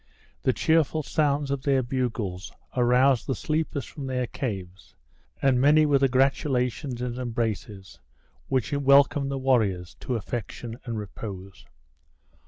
The cheerful sounds of their bugles aroused the sleepers from their caves; and many were the gratulations and embraces which welcomed the warriors to affection and repose.